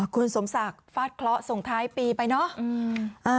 คุณสมศักดิ์ฟาดเคราะห์ส่งท้ายปีไปเนาะ